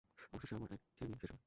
অবশেষে আমার একঘেয়েমি শেষ হবে।